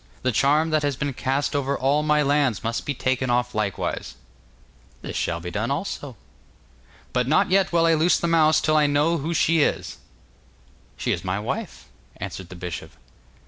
The charm that has been cast over all my lands must be taken off likewise.' 'This shall be done also.' 'But not yet will I loose the mouse till I know who she is.' 'She is my wife,' answered the bishop.